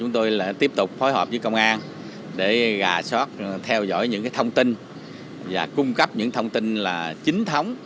chúng tôi tiếp tục phối hợp với công an để gà sót theo dõi những thông tin và cung cấp những thông tin chính thống